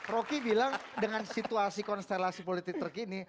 rocky bilang dengan situasi konstelasi politik terkini